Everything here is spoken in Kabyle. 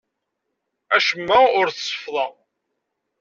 Acemma ur t-seffḍeɣ.